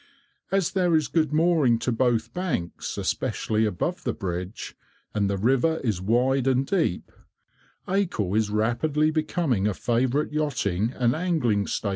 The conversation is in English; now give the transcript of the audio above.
As there is good mooring to both banks, especially above the bridge, and the river is wide and deep, Acle is rapidly becoming a favourite yachting and angling station.